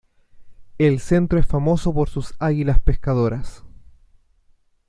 El centro es famoso por sus águilas pescadoras.